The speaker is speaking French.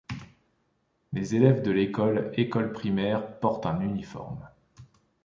Les élèves de l'école école primaire portent un uniforme.